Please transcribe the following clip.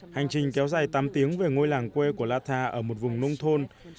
hành trình kéo dài tám tiếng về ngôi làng quê của lata ở một vùng nông thôn